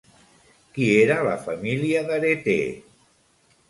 Qui era la família d'Areté?